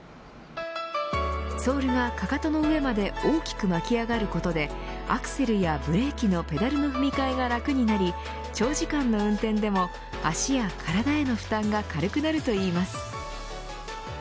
ソールはかかとの上まで大きく巻き上がることでアクセルやブレーキのペダルの踏みかえが楽になり長時間の運転でも足や体への負担が軽くなるといいます。